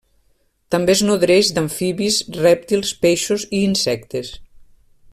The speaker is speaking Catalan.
També es nodreix d'amfibis, rèptils, peixos i insectes.